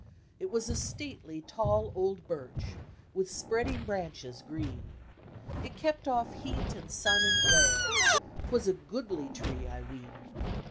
It was a stately, tall old birch, With spreading branches green; It kept off heat and sun and glare — 'Twas a goodly tree, I ween.